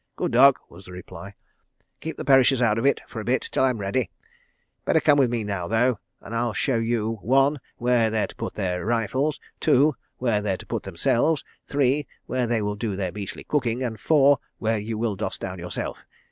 "Good dog," was the reply, "keep the perishers out of it for a bit till I'm ready. ... Better come with me now though, and I'll show you, one, where they're to put their rifles; two, where they're to put themselves; three, where they will do their beastly cooking; and four, where you will doss down yourself.